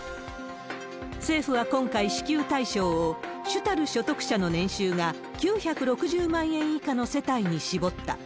政府は今回、支給対象を主たる所得者の年収が９６０万円以下の世帯に絞った。